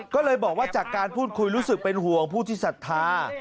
ก็เลยบอกว่าจากการพูดคุยรู้สึกเป็นห่วงผู้ที่ศรัทธา